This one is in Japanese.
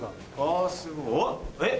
あっえっ？